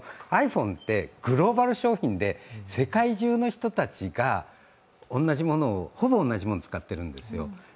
ｉＰｈｏｎｅってグローバル商品で世界中の人たちがほぼ同じものを使っているんですよ。